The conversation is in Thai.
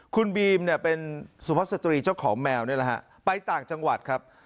คุณบีมเป็นสุภาพสตรีเจ้าของแมวไปต่างจังหวัดครับ